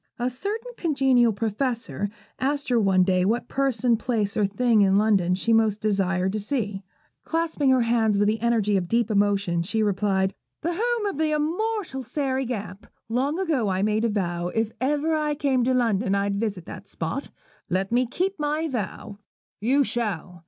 A certain congenial Professor asked her one day what person, place, or thing in London she most desired to see. Clasping her hands with the energy of deep emotion, she replied, 'The home of the immortal Sairy Gamp. Long ago I made a vow, if I ever came to London I'd visit that spot. Let me keep my vow.' 'You shall!'